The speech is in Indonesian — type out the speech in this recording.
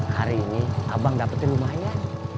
hari ini abang dapetin rumahnya